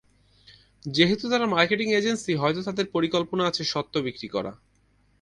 যেহেতু তারা marketing agency, হয়তো তাদের পরিকল্পনা আছে স্বত্ব বিক্রি করা।